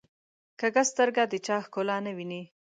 کوږه سترګه د چا ښکلا نه ویني